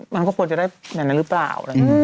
มันก็ควรจะได้แบบนั้นหรือเปล่า